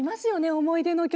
思い出の曲。